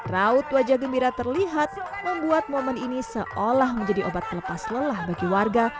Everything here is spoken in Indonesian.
raut wajah gembira terlihat membuat momen ini seolah menjadi obat pelepas lelah bagi warga